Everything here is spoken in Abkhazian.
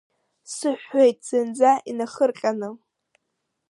Сыҳәҳәеит, зынӡа инахырҟьаны…